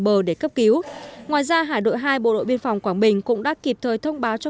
bờ để cấp cứu ngoài ra hải đội hai bộ đội biên phòng quảng bình cũng đã kịp thời thông báo cho